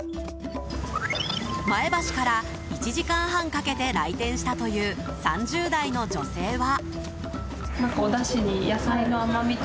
前橋から１時間半かけて来店したという３０代の女性は。